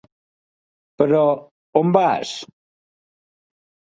Però on vas?